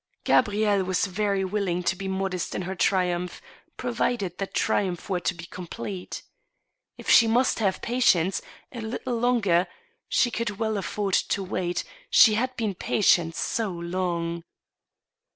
Gabrielle was very willing to be modest in her triumph, provided that triumph were to be complete. If she must have patience a little longer, she could well afford to wait, she had been patient so long.